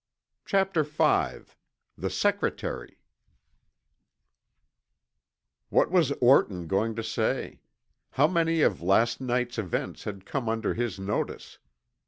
CHAPTER V THE SECRETARY What was Orton going to say? How many of last night's events had come under his notice?